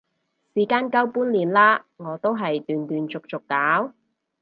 時間夠半年啦，我都係斷斷續續搞